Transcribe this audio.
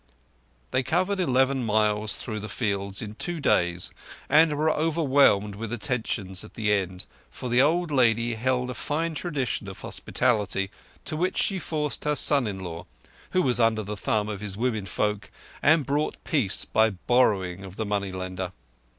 They covered eleven miles through the fields in two days, and were overwhelmed with attentions at the end; for the old lady held a fine tradition of hospitality, to which she forced her son in law, who was under the thumb of his women folk and bought peace by borrowing of the money lender.